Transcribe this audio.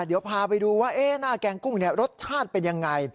เดี๋ยวพาไปดูว่าหน้าแกงกุ้งรสชาติเป็นยังไง